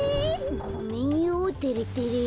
ごめんよてれてれ。